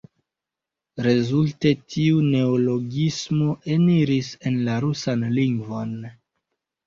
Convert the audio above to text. Rezulte, tiu neologismo eniris en la rusan lingvon.